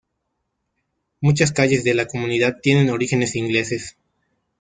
Muchas calles de la comunidad tienen origines ingleses.